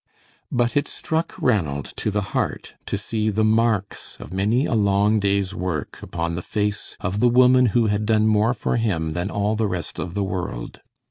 But it struck Ranald to the heart to see the marks of many a long day's work upon the face of the woman who had done more for him than all the rest of the world.